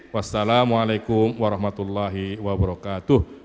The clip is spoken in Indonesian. wassalamualaikum warahmatullahi wabarakatuh